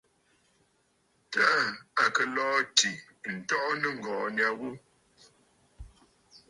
Taà à kɨ̀ lɔ̀ɔ̂ àtì ǹtɔʼɔ nɨ̂ŋgɔ̀ɔ̀ nya ghu.